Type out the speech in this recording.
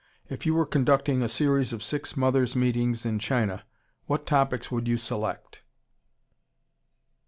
If you were conducting a series of six mothers' meetings in China, what topics would you select?